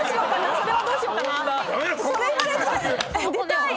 それはどうしようかな⁉出たい！